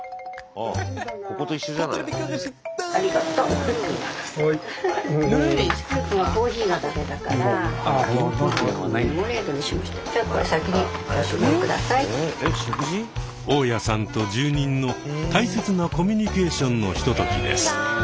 大家さんと住人の大切なコミュニケーションのひとときです。